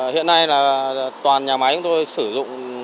hiện nay là toàn nhà máy của tôi sử dụng